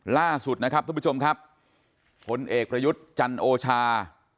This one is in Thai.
ล่าสุดนะครับทุกผู้ชมครับผลเอกประยุทธ์จันโอชา